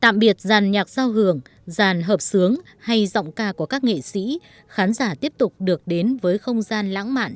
tạm biệt giàn nhạc sao hưởng giàn hợp sướng hay giọng ca của các nghệ sĩ khán giả tiếp tục được đến với không gian lãng mạn